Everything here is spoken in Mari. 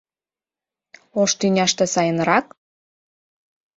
Ош тӱняште сайынрак?»